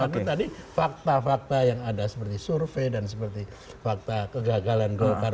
tapi tadi fakta fakta yang ada seperti survei dan seperti fakta kegagalan golkar